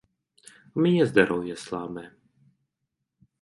У мяне здароўе слабае.